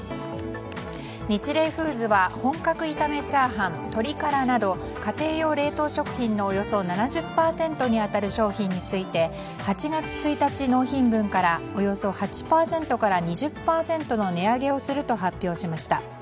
ニチレイフーズは本格炒め炒飯、特からなど家庭用冷凍食品のおよそ７０％に当たる商品について８月１日納品分からおよそ８％から２０％の値上げをすると発表しました。